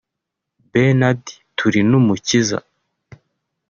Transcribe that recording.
Bernard Turinumukiza